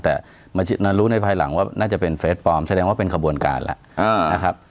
แต่มารู้ในภายหลังว่าน่าจะเป็นเฟสปลอมแสดงว่าเป็นขบวนการแล้วนะครับ